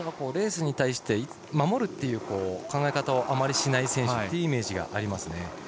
レースに対して守るという考え方をあまりしない選手というイメージがあります。